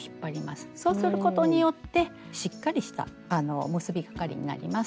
そうすることによってしっかりした結びかがりになります。